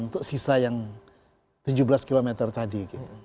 untuk sisa yang tujuh belas km tadi